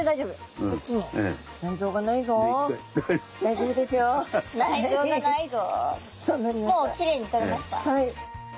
もうきれいに取れました。